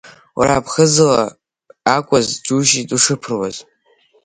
Уара ԥхыӡла акәыз џьушьеит ушыԥыруаз.